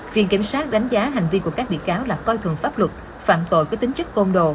viện kiểm soát đánh giá hành vi của các bị cáo là coi thường pháp luật phạm tội có tính chức công đồ